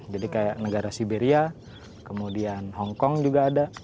jadi kayak negara siberia kemudian hongkong juga ada